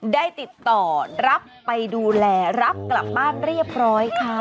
ได้ติดต่อรับไปดูแลรับกลับบ้านเรียบร้อยค่ะ